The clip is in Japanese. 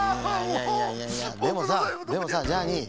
いやいやいやでもさでもさジャーニー。